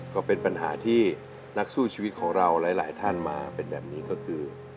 ก็เป็นปัญหาที่นักสู้ชีวิตของเราหลายท่านมาเป็นแบบนี้ก็คือ